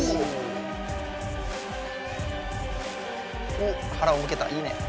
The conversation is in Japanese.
おっはらをむけたいいね。